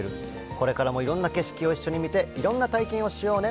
これからもいろんな景色を一緒に見て、いろんな体験をしようね。